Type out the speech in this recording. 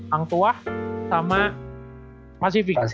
hang tuah sama pasif e dua